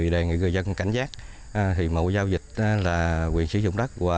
đề nghị người dân cảnh giác mẫu giao dịch là quyền sử dụng đất